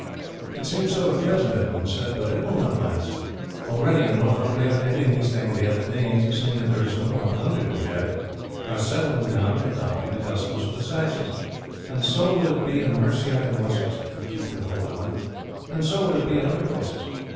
"It seems so at present," Edmund said, "but it will not last. Already in Northumbria and in East Anglia the Danes, seeing that there is no more plunder to be had, are settling down and adopting the customs of the Saxons, and so will it be in Mercia and Wessex if you keep your hold of them, and so will it be in other places.